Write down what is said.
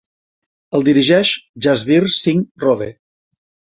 El dirigeix Jasbir Singh Rode.